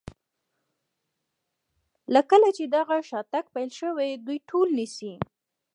له کله چې دغه شاتګ پیل شوی دوی ټول نیسي.